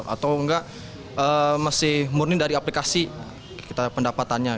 atau enggak masih murni dari aplikasi kita pendapatannya